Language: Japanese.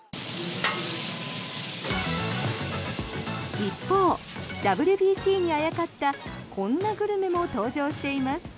一方、ＷＢＣにあやかったこんなグルメも登場しています。